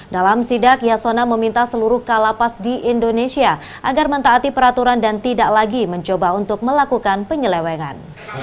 dalam sidak yasona meminta seluruh kalapas di indonesia agar mentaati peraturan dan tidak lagi mencoba untuk melakukan penyelewengan